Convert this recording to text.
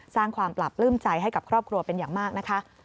สร้างความปราบปลื้มใจให้กับครอบครัวเป็นอย่างมากนะคะ